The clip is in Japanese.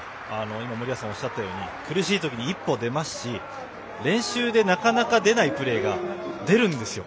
森保さんがおっしゃったように苦しいときに一歩出ますし練習でなかなか出ないプレーが出るんですよ。